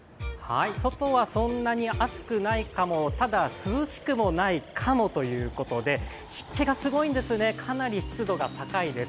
外はそんなに暑くないかもただ、涼しくもないかもということで湿気がすごいんですね、かなり湿度が高いです。